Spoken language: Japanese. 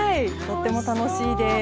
とっても楽しいです。